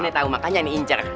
aneh tau makanya ini injer